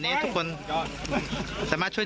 ดูสิคะแต่ละคนกอดคอกันหลั่นน้ำตา